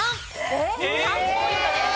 ３ポイントです。